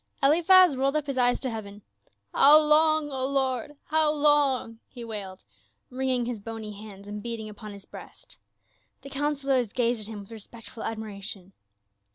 Eliphaz rolled up his eyes to heaven. " How long, O Lord, how long !" he wailed, wringing his bony hands and beating upon his breast. The councilors gazed at him with respectful admi ration.